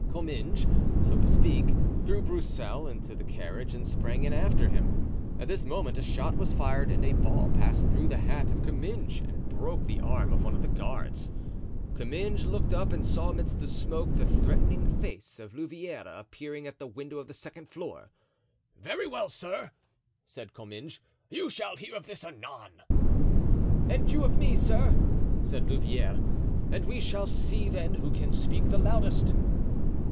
Comminges, so to speak, threw Broussel into the carriage and sprang in after him. At this moment a shot was fired and a ball passed through the hat of Comminges and broke the arm of one of the guards. Comminges looked up and saw amidst the smoke the threatening face of Louvieres appearing at the window of the second floor. "Very well, sir," said Comminges, "you shall hear of this anon." "And you of me, sir," said Louvieres; "and we shall see then who can speak the loudest."